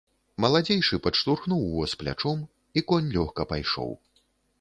Маладзейшы падштурхнуў воз плячом, і конь лёгка пайшоў.